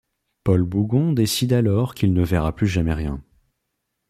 Paul Bougon décide alors qu'il ne verra plus jamais rien.